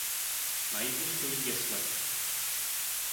Na jihu stojí jesle.